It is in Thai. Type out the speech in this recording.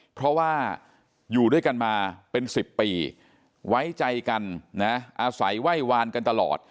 เพราะว่าอยู่ด้วยกันมาเป็น๑๐ปีไว้ใจกันนะอาศัยไหว้วานกันตลอด